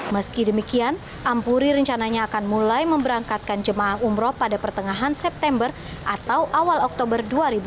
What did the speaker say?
meski demikian ampuri rencananya akan mulai memberangkatkan jemaah umroh pada pertengahan september atau awal oktober dua ribu dua puluh